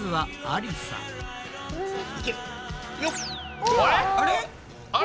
あれ？